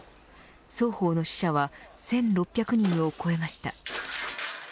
双方の死者は１６００人を超えました。